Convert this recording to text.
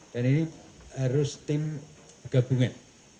dan ini harus tim gabungan